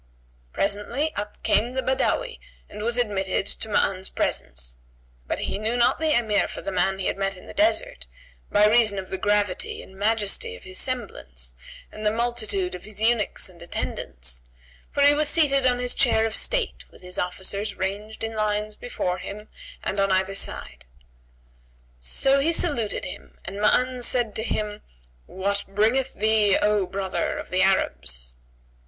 Presently up came the Badawi and was admitted to Ma'an's presence; but knew not the Emir for the man he had met in the desert, by reason of the gravity and majesty of his semblance and the multitude of his eunuchs and attendants, for he was seated on his chair of state with his officers ranged in lines before him and on either side. So he saluted him and Ma'an said to him "What bringeth thee, O brother of the Arabs?"